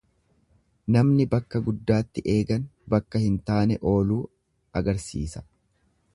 Namni bakka guddaatti eegan bakka hin taane ooluu agarsiisa.